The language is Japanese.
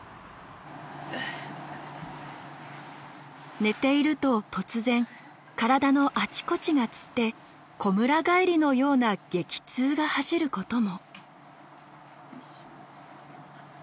寝ていると突然体のあちこちがつってこむら返りのような激痛が走ることも。